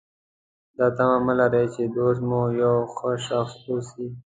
دا تمه مه لرئ چې دوست مو یو ښه شخص واوسي.